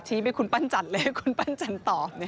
ชี้ไปคุณปั้นจันเลยคุณปั้นจันตอบเนี่ย